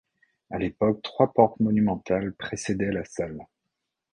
À l’époque trois portes monumentales précédaient la salle.